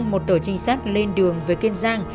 một tổ trinh sát lên đường với kiên giang